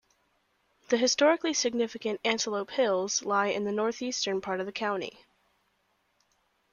The historically-significant Antelope Hills lie in the northeastern part of the county.